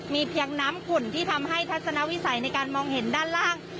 มีเพียงน้ำขุ่นที่ทำให้ทัศนวิสัยในการมองเห็นด้านล่าง